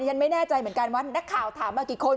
ฉันไม่แน่ใจเหมือนกันว่านักข่าวถามมากี่คน